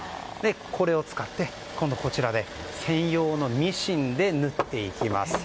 これを使ってこちらで専用のミシンで縫っていきます。